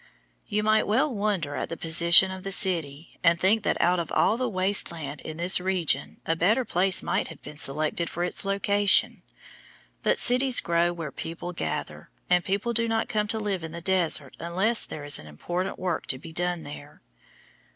You might well wonder at the position of the city, and think that out of all the waste land in this region a better place might have been selected for its location. But cities grow where people gather, and people do not come to live in the desert unless there is important work to be done there.